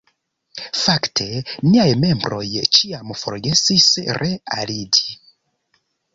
Fakte niaj membroj ĉiam forgesis re-aliĝi.